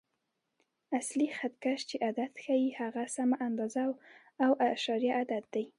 اصلي خط کش چې عدد ښیي، هغه سمه اندازه او اعشاریه عدد دی.